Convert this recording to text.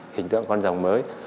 hình tượng con rồng mới